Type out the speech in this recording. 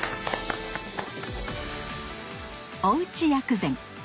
おうち薬膳！